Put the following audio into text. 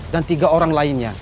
dan tiga orang lainnya